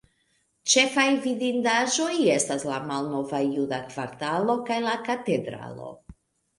Ĉefaj vidindaĵoj estas la malnova juda kvartalo, kaj la Katedralo.